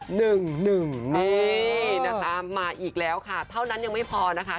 หนึ่งหนึ่งนี่นะครับมาอีกแล้วค่ะเท่านั้นยังไม่พอนะคะ